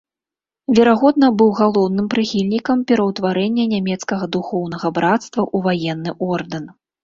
Верагодна быў галоўным прыхільнікам пераўтварэння нямецкага духоўнага брацтва ў ваенны ордэн.